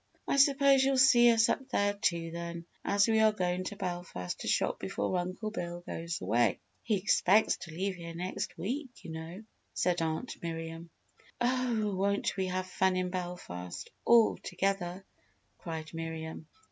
"I suppose you'll see us up there too, then, as we are going to Belfast to shop before Uncle Bill goes away he expects to leave here next week, you know," said Aunt Miriam. "Oh, won't we have fun in Belfast all together!" cried Miriam.